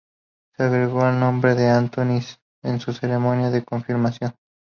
Se agregó el nombre de "Anthony" en su ceremonia de confirmación.